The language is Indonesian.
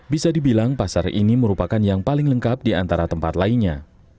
bisa dibilang pasar ini merupakan yang paling lengkap di antara tempat lainnya